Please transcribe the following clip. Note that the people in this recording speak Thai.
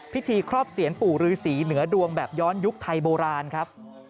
ครอบเสียนปู่ฤษีเหนือดวงแบบย้อนยุคไทยโบราณครับ